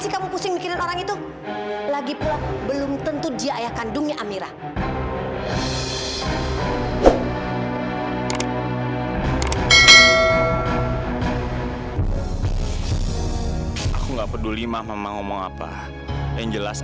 kamu kan bisa mengambil kesimpulan